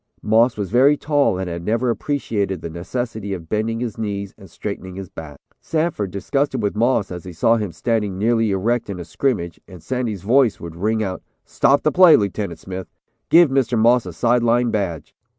Moss was very tall and had never appreciated the necessity of bending his knees and straightening his back. Sanford disgusted with Moss as he saw him standing nearly erect in a scrimmage, and Sandy's voice would ring out, "Stop the play, Lieutenant Smith. Give Mr. Moss a side line badge.